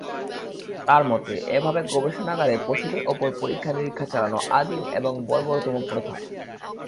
তাঁর মতে, এভাবে গবেষণাগারে পশুদের ওপর পরীক্ষা-নিরীক্ষা চালানো আদিম এবং বর্বরতম প্রথা।